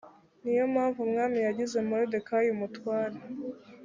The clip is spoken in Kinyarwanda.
niyo mpamvu umwami yagize moridekayi umutware